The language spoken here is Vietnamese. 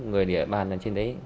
người địa bàn là trên đấy